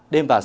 đêm vài ngày